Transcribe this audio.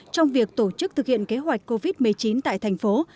trong việc tổ chức thực hiện kế hoạch covid một mươi chín tại thành phố